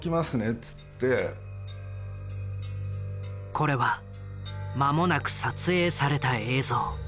これは間もなく撮影された映像。